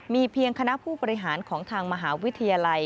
มีเพียงคณะผู้บริหารของทางมหาวิทยาลัย